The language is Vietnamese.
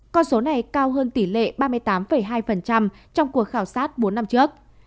con số này cao hơn tỷ lệ ba mươi tám hai trong cuộc khảo sát bốn năm trước